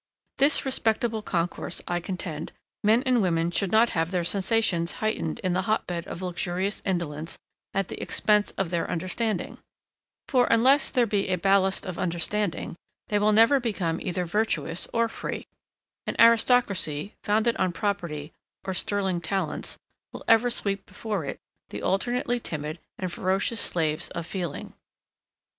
This respectable concourse, I contend, men and women, should not have their sensations heightened in the hot bed of luxurious indolence, at the expence of their understanding; for, unless there be a ballast of understanding, they will never become either virtuous or free: an aristocracy, founded on property, or sterling talents, will ever sweep before it, the alternately timid and ferocious slaves of feeling.